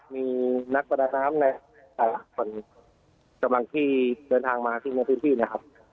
มีนักประดาน้ำในจังหลังที่เดินทางมาที่เมืองพิธีนะครับ